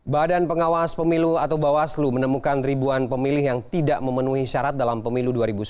badan pengawas pemilu atau bawaslu menemukan ribuan pemilih yang tidak memenuhi syarat dalam pemilu dua ribu sembilan belas